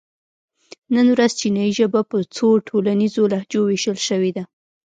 نن ورځ چینایي ژبه په څو ټولنیزو لهجو وېشل شوې ده.